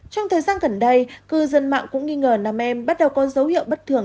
trong thời gian gần đây cư dân mạng cũng nghi ngờ nam em bắt đầu có dấu hiệu bất thường